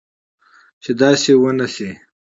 چې داسي و نه شي